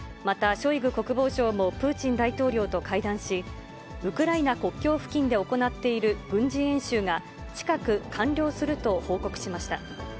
またショイグ国防相も、プーチン大統領と会談し、ウクライナ国境付近で行っている軍事演習が、近く完了すると報告しました。